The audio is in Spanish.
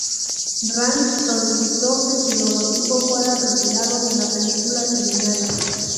Rank solicitó que su logotipo fuera retirado de la película terminada.